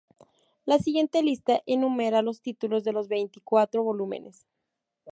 La siguiente lista enumera los títulos de los veinticuatro volúmenes.